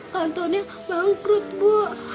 kantornya bangkrut bu